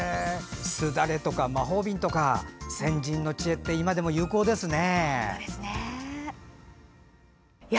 すだれとか、魔法瓶とか先人の知恵って今でも有効ですね。